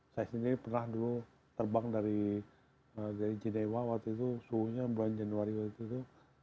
saya sendiri pernah dulu terbang dari cinewa waktu itu suhunya bulan januari waktu itu